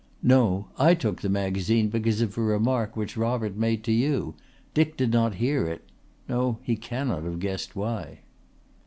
"No. I took the magazine because of a remark which Robert made to you. Dick did not hear it. No, he cannot have guessed why."